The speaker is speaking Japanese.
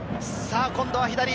今度は左。